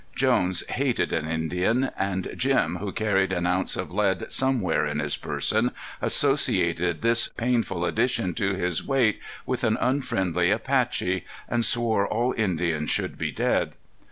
Jones hated an Indian; and Jim, who carried an ounce of lead somewhere in his person, associated this painful addition to his weight with an unfriendly Apache, and swore all Indians should be dead.